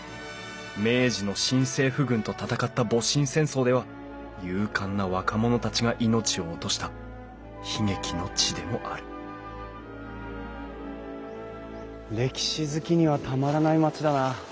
明治の新政府軍と戦った戊辰戦争では勇敢な若者たちが命を落とした悲劇の地でもある歴史好きにはたまらない町だな。